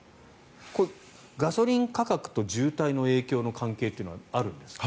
これはガソリン価格と渋滞の影響の関係というのはあるんですか。